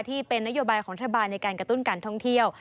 ที่เป็นนโยบายของรัฐบาลในการกระตุ้นการท่องเที่ยว